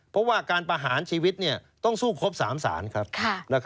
เพราะว่าการประหารชีวิตต้องสู้ครบ๓ศาลครับ